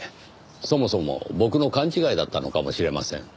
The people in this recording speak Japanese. そもそも僕の勘違いだったのかもしれません。